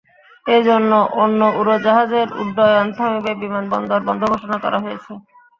এ জন্য অন্য উড়োজাহাজের উড্ডয়ন থামিয়ে বিমানবন্দর বন্ধ ঘোষণা করা হয়েছে।